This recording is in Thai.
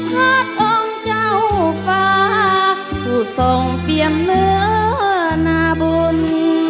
ภาพองเจ้าฟ้าผู้ส่งเตรียมเนื้อนาบุญ